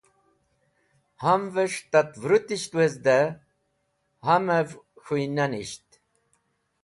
Ham’ves̃h tatvũrũtisht wezde, hamev k̃hũynanisht.